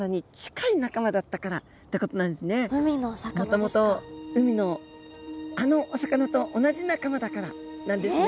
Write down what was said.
もともと海のあのお魚と同じ仲間だからなんですね。